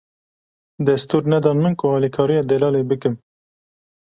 Destûr nedan min ku alikariya Delalê bikim.